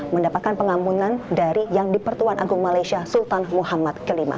mendapatkan pengampunan dari yang dipertuan agung malaysia sultan muhammad v